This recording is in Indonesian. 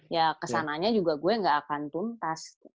ya kesananya juga gue gak akan tuntas